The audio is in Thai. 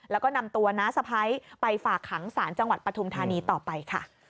แล้วก็นำตัวน้าสะพ้ายไปฝากขังศาลจังหวัดปฐุมธานีต่อไปค่ะ